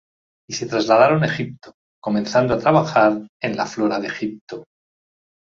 Y se trasladaron a Egipto, comenzando a trabajar en la "Flora de Egipto".